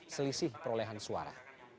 selisih perolehan suara